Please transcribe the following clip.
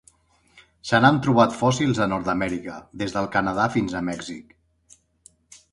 Se n'han trobat fòssils a Nord-amèrica, des del Canadà fins a Mèxic.